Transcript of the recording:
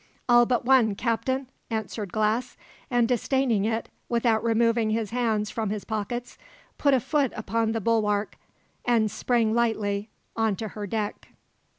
"All but one, captain!" answered Glass, and, disdaining it, without removing his hands from his pockets, put a foot upon the bulwark and sprang lightly on to her deck.